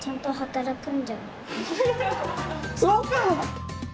そうか。